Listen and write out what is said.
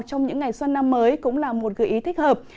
trong những ngày xuân năm mới cũng là một gợi ý thích hợp